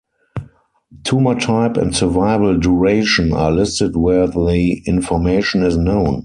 Tumor type and survival duration are listed where the information is known.